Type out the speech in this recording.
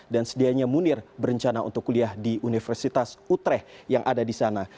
sedianya munir berencana untuk kuliah di universitas utreh yang ada di sana